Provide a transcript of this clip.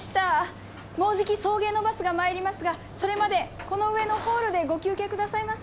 もうじき送迎のバスが参りますがそれまでこの上のホールでご休憩くださいませ。